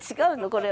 これ。